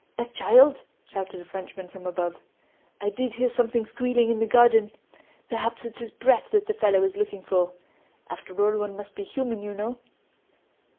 "A child?" shouted a Frenchman from above. "I did hear something squealing in the garden. Perhaps it's his brat that the fellow is looking for. After all, one must be human, you know...."